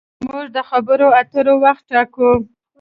موږ د خبرو اترو وخت ټاکو.